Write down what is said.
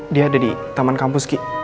dia ada di taman kampus